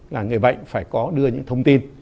là người bệnh phải có đưa những thông tin